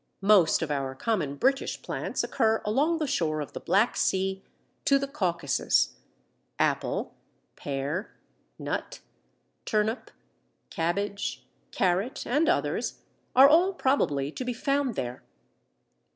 Most of our common British plants occur along the shore of the Black Sea to the Caucasus (apple, pear, nut, turnip, cabbage, carrot, and others, are all probably to be found there).